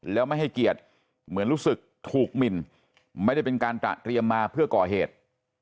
แล้วไม่ให้เกียรติเหมือนรู้สึกถูกหมินไม่ได้เป็นการตระเตรียมมาเพื่อก่อเหตุ